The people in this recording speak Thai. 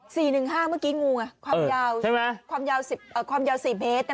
หนึ่งห้าเมื่อกี้งูไงความยาวใช่ไหมความยาวสิบเอ่อความยาวสี่เมตรอ่ะ